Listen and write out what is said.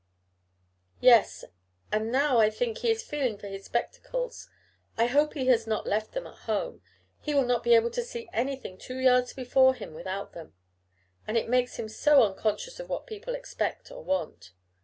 "Yes; and now, I think, he is feeling for his spectacles. I hope he has not left them at home: he will not be able to see anything two yards before him without them; and it makes him so unconscious of what people expect or want."